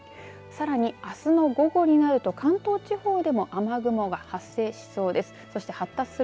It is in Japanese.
さらに、あすの午後になると関東地方でも雨雲が発生しそうです。